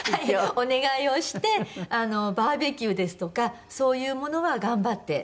お願いをしてバーベキューですとかそういうものは頑張ってしてもらったりとかしてます。